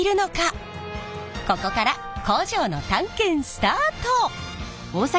ここから工場の探検スタート！